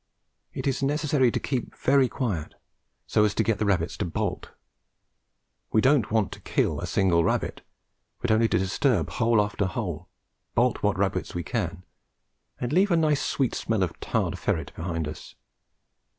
It is necessary to keep very quiet, so as to get the rabbits to bolt. We don't want to kill a single rabbit, but only to disturb hole after hole, bolt what rabbits we can, and leave a nice sweet smell of tarred ferret behind us.